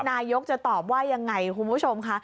นายกจะตอบว่ายังไงคุณผู้ชมค่ะ